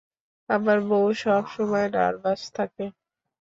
আমার বউও সবসময় নার্ভাস থাকে।